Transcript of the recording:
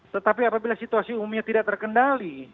tetapi apabila situasi umumnya tidak terkendali